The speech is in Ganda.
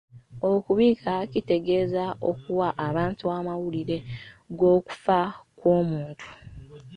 Okubika kitegeeza okuwa abantu amawulire g’okufa kw’omuntu.